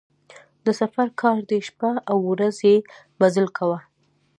د سفر کار دی شپه او ورځ یې مزل کاوه.